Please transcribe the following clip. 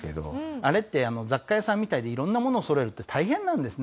あれって雑貨屋さんみたいでいろんなものをそろえるって大変なんですね。